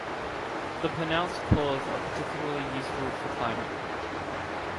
The pronounced claws are particularly useful for climbing.